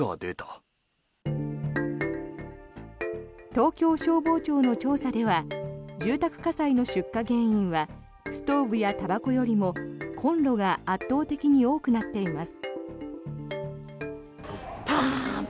東京消防庁の調査では住宅火災の出火原因はストーブやたばこよりもコンロが圧倒的に多くなっています。